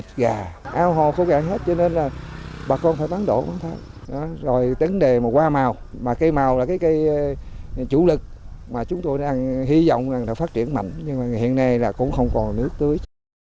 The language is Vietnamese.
cái màu là cái chủ lực mà chúng tôi đang hy vọng là phát triển mạnh nhưng mà hiện nay là cũng không còn nước tưới